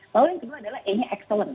lalu yang kedua adalah e nya excellent